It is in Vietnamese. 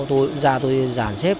rồi tôi cũng ra tôi giản xếp